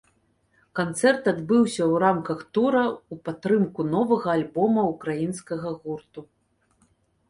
Канцэрт адбыўся ў рамках тура ў падтрымку новага альбома ўкраінскага гурту.